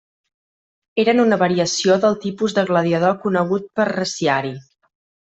Eren una variació del tipus de gladiador conegut per reciari.